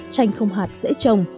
chanh không hạt dễ trồng